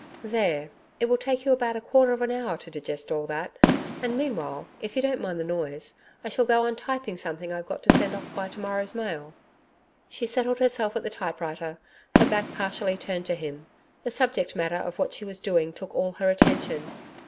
'There. It will take you about a quarter of an hour to digest all that; and meanwhile, if you don't mind the noise, I shall go on typing something I've got to send off by to morrow's mail.' She settled herself at the typewriter, her back partially turned to him. The subject matter of what she was doing took all her attention.